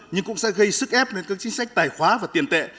nhưng cũng sẽ gây sức ép lên các chính sách tài khoá và tiền tệ